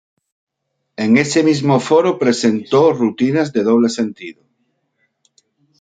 En ese mismo foro presentó rutinas de doble sentido.